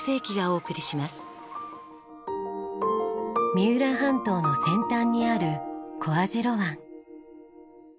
三浦半島の先端にある小網代湾。